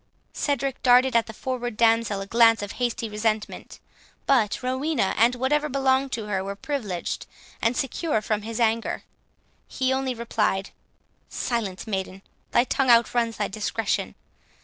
Cedric darted at the forward damsel a glance of hasty resentment; but Rowena, and whatever belonged to her, were privileged and secure from his anger. He only replied, "Silence, maiden; thy tongue outruns thy discretion.